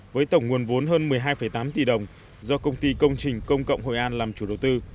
với tổng nguồn vốn hơn một mươi hai tám tỷ đồng do công ty công trình công cộng hội an làm chủ đầu tư